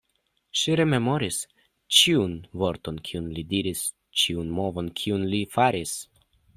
Ŝi rememoris ĉiun vorton, kiun li diris, ĉiun movon, kiun li faris.